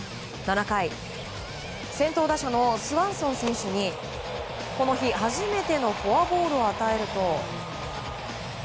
７回、先頭打者のスワンソン選手にこの日初めてのフォアボールを与えると。